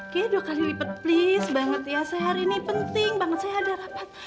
kayaknya dua kali lipat please banget ya sehari ini penting banget saya ada rapat